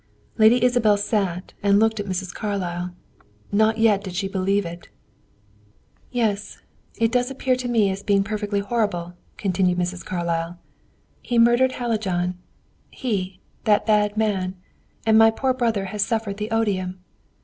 Lady Isabel sat and looked at Mrs. Carlyle. Not yet did she believe it. "Yes, it does appear to me as being perfectly horrible," continued Mrs. Carlyle. "He murdered Hallijohn he, that bad man; and my poor brother has suffered the odium.